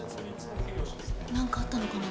何かあったのかな？